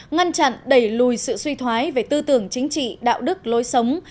ngăn chặn đẩy lùi sự suy thoái về tư tưởng chính trị đạo đức lối sống